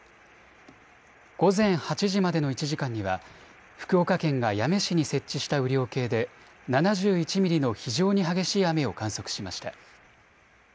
午前８時までの１時間には福岡県が八女市に設置した雨量計で７１ミリの非常に激しい雨を観測しました。